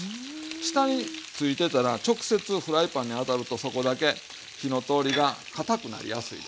下についてたら直接フライパンに当たるとそこだけ火の通りがかたくなりやすいでしょ。